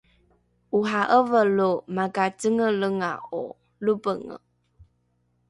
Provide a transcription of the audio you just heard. ora’eve lo makacengelenga’o lropenge